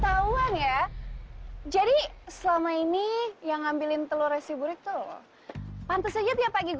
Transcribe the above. tahu aja jadi selama ini yang ngambilin telur resi burik tuh pantas aja tiap pagi